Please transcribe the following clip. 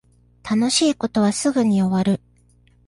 楽しい事はすぐに終わる